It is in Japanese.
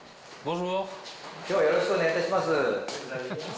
きょうはよろしくお願いいたします。